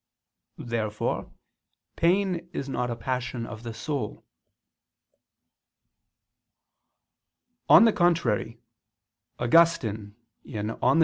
Therefore pain is not a passion of the soul. On the contrary, Augustine (De Civ.